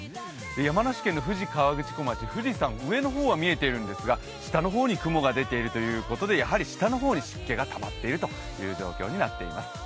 山梨県の富士河口湖町、富士山、上の方は見えているんですが、下の方に雲が見えているということでやはり下の方に湿気がたまっている状況になっています。